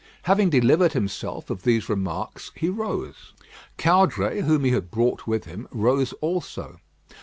Having delivered himself of these remarks, he rose. Caudray, whom he had brought with him, rose also.